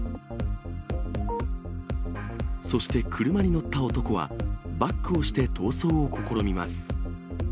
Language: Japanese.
そして車に乗った男は、バックをして逃走を試みます。